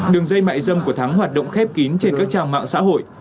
đường dây mại dâm của thắng hoạt động khép kín trên các trang mạng xã hội